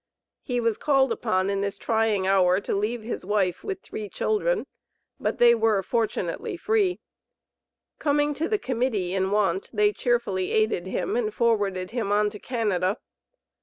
He was called upon in this trying hour to leave his wife with three children, but they were, fortunately, free. Coming to the Committee in want, they cheerfully aided him, and forwarded him on to Canada.